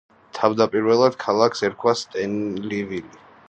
თავდაპირველად ქალაქს ერქვა სტენლივილი.